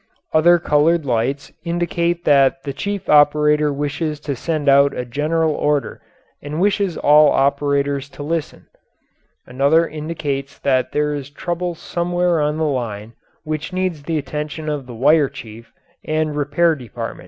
Other coloured lights indicate that the chief operator wishes to send out a general order and wishes all operators to listen. Another indicates that there is trouble somewhere on the line which needs the attention of the wire chief and repair department.